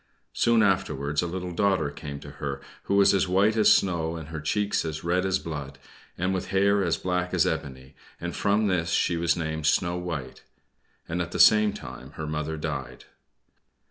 Soon afterwards a little daughter came to her, who was as white as snow, and with cheeks as red as blood, and with hair as black as ebony, and from this she was named "Snow White." And at the same time her mother died.